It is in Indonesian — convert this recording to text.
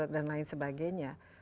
dan lain sebagainya